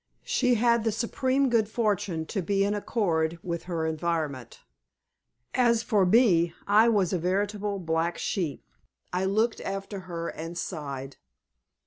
She had the supreme good fortune to be in accord with her environment. As for me, I was a veritable black sheep. I looked after her and sighed.